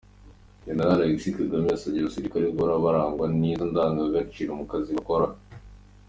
Gen Alexis Kagame yasabye abasirikare guhora barangwa n’izo ndangagaciro mu kazi bakora.